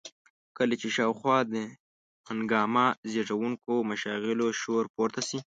کله چې شاوخوا د هنګامه زېږوونکو مشاغلو شور پورته شي.